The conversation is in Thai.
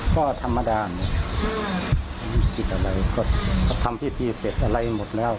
ก็ธรรมดาไม่คิดอะไรก็ทำพิธีเสร็จอะไรหมดแล้ว